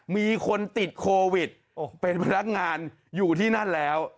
มีคนติดโควิดเป็นพนักงานอยู่ที่นั่นแล้ว